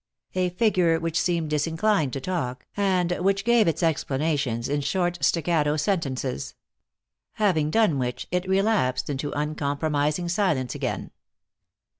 A figure which seemed disinclined to talk, and which gave its explanations in short, staccato sentences. Having done which, it relapsed into uncompromising silence again.